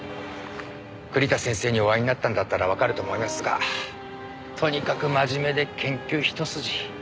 栗田先生にお会いになったんだったらわかると思いますがとにかく真面目で研究一筋。